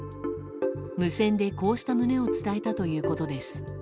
無線で、こうした旨を伝えたということです。